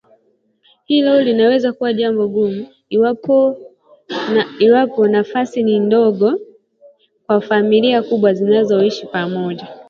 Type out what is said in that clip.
Hilo laweza kuwa jambo ngumu iwapo nafasi ni ndogo kwa familia kubwa zinazoishi pamoja.